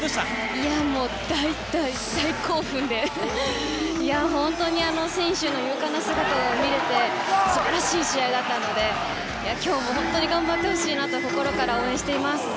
大、大、大興奮で本当に選手の勇敢な姿を見れて素晴らしい試合だったので今日も本当に頑張ってほしいなと心から応援しています。